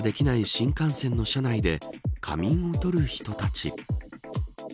新幹線の車内で仮眠をとる人たち。